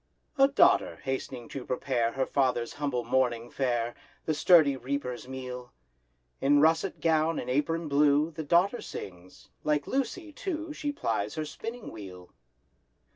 A daughter hast'ning to prepare Her father's humble morning fare— The sturdy reaper's meal. In russet gown and apron blue, The daughter sings; like "Lucy," too, She plies her spinning wheel.